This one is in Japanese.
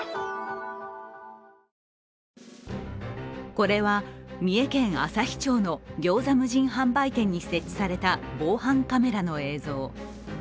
これは三重県朝日町のギョーザ無人販売店に設置された防犯カメラの映像。